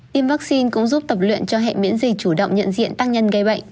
tiêm vaccine cũng giúp tập luyện cho hệ miễn dịch chủ động nhận diện tác nhân gây bệnh